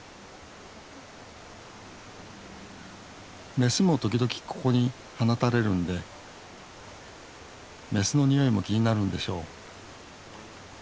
メスも時々ここに放たれるんでメスのにおいも気になるんでしょう。